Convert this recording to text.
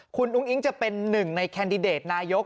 คุณอุ้งอิ๊งจะเป็นหนึ่งในแคนดิเดตนายก